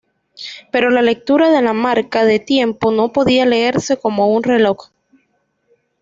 Pero la lectura de la marca de tiempo no podía leerse como un reloj.